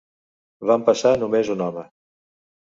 Vam passar només un home.